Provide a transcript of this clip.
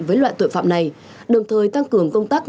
với loại tội phạm này đồng thời tăng cường công tác